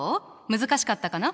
難しかったかな？